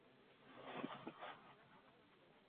Juega regularmente en varios servidores en internet.